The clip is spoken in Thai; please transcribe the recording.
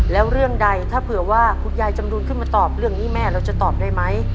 แล้วเรื่องใดถ้าเผื่อว่าคุณยายจำรูนขึ้นมาตอบเรื่องนี้แม่เราจะตอบได้ไหม